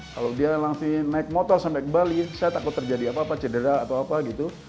kalau dia langsung naik motor sampai ke bali saya takut terjadi apa apa cedera atau apa gitu